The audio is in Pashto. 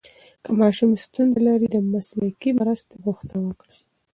که ماشوم ستونزه لري، د مسلکي مرسته غوښتنه وکړئ.